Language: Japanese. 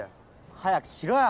・早くしろよ！